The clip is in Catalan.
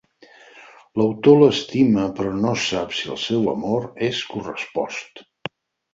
L'autor l'estima però no sap si el seu amor és correspost.